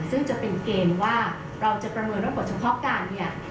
ซึ่งจะเป็นเกณฑ์ว่าเราจะประเมินว่าบทเฉพาะการเนี่ย